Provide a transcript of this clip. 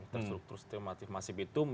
struktur stigmatif masib itu